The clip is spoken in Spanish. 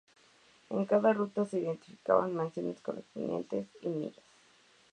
En cada ruta se identificaban mansiones, correspondencias y millas.